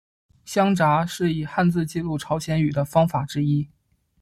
乡札是以汉字记录朝鲜语的方法之一。